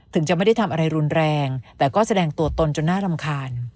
จะไม่ได้ทำอะไรรุนแรงแต่ก็แสดงตัวตนจนน่ารำคาญ